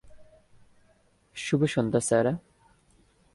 শুভ সন্ধ্যা Sarah.